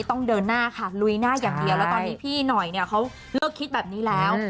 เพราะเราไม่มีอะไรเลย